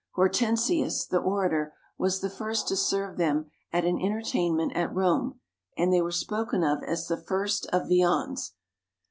Hortensius, the orator, was the first to serve them at an entertainment at Rome, and they were spoken of as the first of viands.